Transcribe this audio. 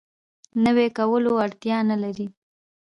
نوی کولو اړتیا نه لري.